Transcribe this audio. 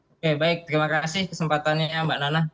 oke baik terima kasih kesempatannya mbak nana